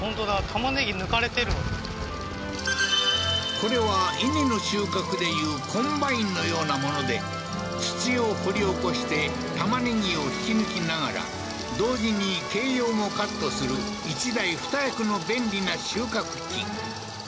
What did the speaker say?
これは稲の収穫でいうコンバインのようなもので土を掘り起こして玉ねぎを引き抜きながら同時に茎葉もカットする１台２役の便利な収穫機